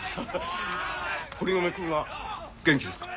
堀込君は元気ですか？